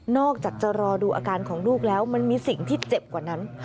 อกจากจะรอดูอาการของลูกแล้วมันมีสิ่งที่เจ็บกว่านั้น